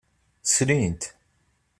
Slin-t.